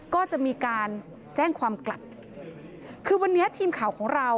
ก็จะมีการแจ้งความกลับคือวันนี้ทีมข่าวของเรา